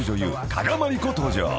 加賀まりこ登場］